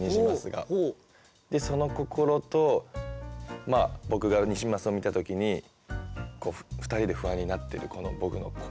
でその心と僕がニジマスを見た時に２人で不安になってるこの僕の心と。